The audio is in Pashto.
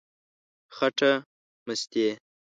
خټه مستې،